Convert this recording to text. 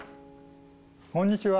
こんにちは。